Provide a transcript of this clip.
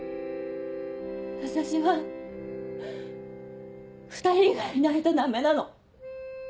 私は２人がいないとダメなの。